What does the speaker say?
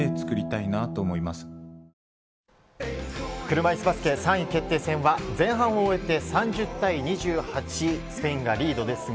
車いすバスケ３位決定戦は前半を終えて３０対２８、スペインがリードですが。